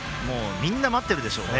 みんな待ってるでしょうね。